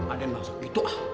ah den maksud gitu ah